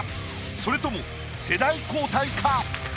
それとも世代交代か？